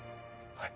はい！